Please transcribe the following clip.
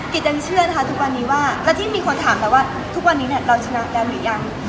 ยังเชื่อนะคะทุกวันนี้ว่าแล้วที่มีคนถามไปว่าทุกวันนี้เนี่ยเราชนะแล้วหรือยัง